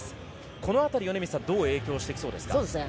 この辺りどう影響してきそうですか。